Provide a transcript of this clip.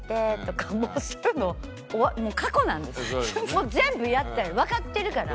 もう全部やったよわかってるから。